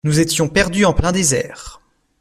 Nous étions perdus en plein désert.